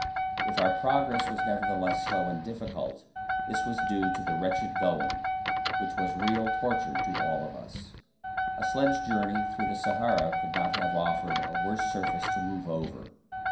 If our progress was nevertheless slow and difficult, this was due to the wretched going, which was real torture to all of us. A sledge journey through the Sahara could not have offered a worse surface to move over.